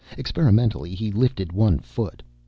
Experimentally, he lifted one foot.